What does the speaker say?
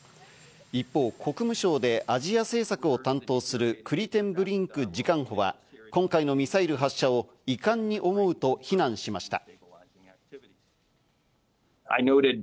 一方、国務省でアジア政策を担当するクリテンブリンク次官補は今回のミサイル発射を遺憾に思うと非難しました。